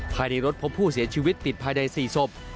ภายในรถพบผู้เสียชีวิตติดภายใน๔ศพ